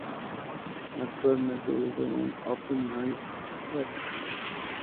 Actualmente viene con OpenOffice.org.